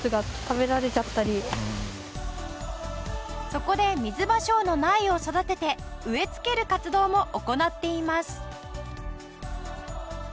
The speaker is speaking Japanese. そこでミズバショウの苗を育てて植えつける活動も行っています。